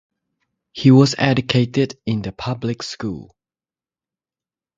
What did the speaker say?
He was educated in the public schools.